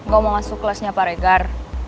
gue mau masuk kelasnya pak regar